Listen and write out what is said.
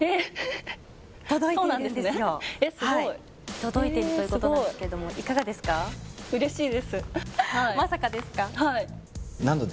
届いているということなんですけどもいかがですか？